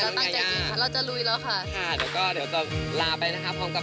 ความฝันอยากทำอะไรอีกไหมคะ